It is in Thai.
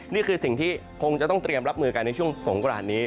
นี่คือสิ่งที่คงจะต้องเตรียมรับมือกันในช่วงสงกรานนี้